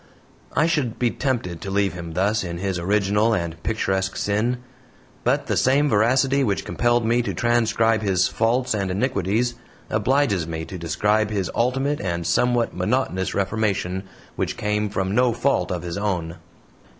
I should be tempted to leave him thus in his original and picturesque sin, but the same veracity which compelled me to transcribe his faults and iniquities obliges me to describe his ultimate and somewhat monotonous reformation, which came from no fault of his own.